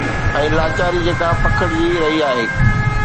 ۽ لاچاري جيڪا پکڙجي رهي آهي.